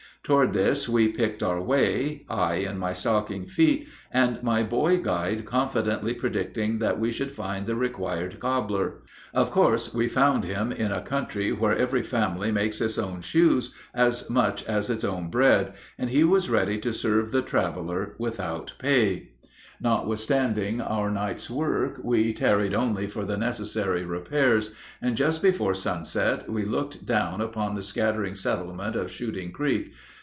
Toward this we picked our way, I in my stocking feet, and my boy guide confidently predicting that we should find the required cobbler. Of course we found him in a country where every family makes its own shoes as much as its own bread, and he was ready to serve the traveler without pay. Notwithstanding our night's work, we tarried only for the necessary repairs, and just before sunset we looked down upon the scattering settlement of Shooting Creek.